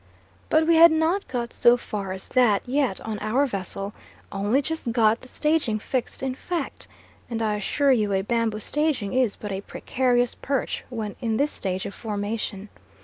But we had not got so far as that yet on our vessel, only just got the staging fixed in fact; and I assure you a bamboo staging is but a precarious perch when in this stage of formation.